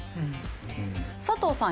佐藤さん